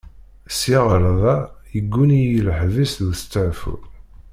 Sya ɣer da yegguni-iyi leḥbis d ustaɛfu.